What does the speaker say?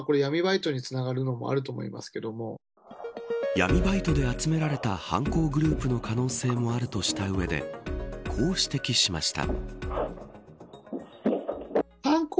闇バイトで集められた犯行グループの可能性もあるとした上でこう指摘しました。